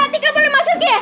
tika boleh masuk ya